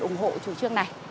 ủng hộ chủ trương này